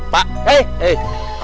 pak eh eh